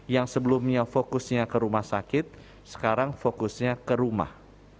yang sebelumnya fokusnya ke rumah sakit sekarang fokusnya ke rumah